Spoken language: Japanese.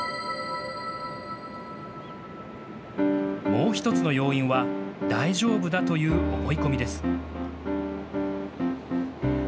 もう１つの要因は大丈夫だという思い込みです。